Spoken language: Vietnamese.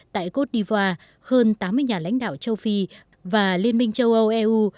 tại cô đi vòa hơn tám mươi nhà lãnh đạo châu phi và liên minh châu âu eu